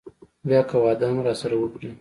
بيا که واده هم راسره وکړي.